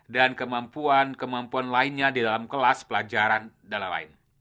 dan kemampuan kemampuan lainnya di dalam kelas pelajaran dll